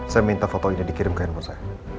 saya minta foto ini dikirim ke handphone saya